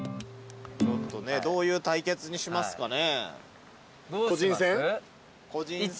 ちょっとねどういう対決にしますかね。